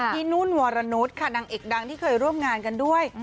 นุ่นวรนุษย์ค่ะนางเอกดังที่เคยร่วมงานกันด้วย